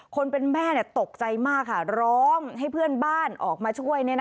คนเป็นแม่ตกใจมากค่ะร้องให้เพื่อนบ้านออกมาช่วย